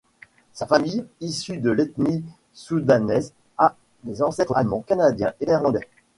Sa famille, issue de l'ethnie soundanaise, a des ancêtres allemands, canadiens et néerlandais.